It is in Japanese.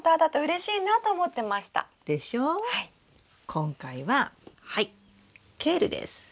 今回はケールです。